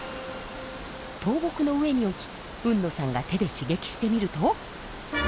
倒木の上に置き海野さんが手で刺激してみると。